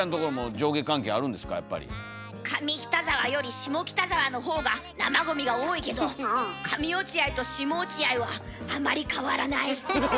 上北沢より下北沢のほうが生ゴミが多いけど上落合と下落合はあまり変わらない。